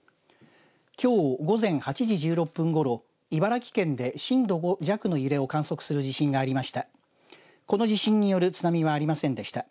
きょう午前８時１６分ごろ茨城県で震度５弱の揺れを観測する地震がありました。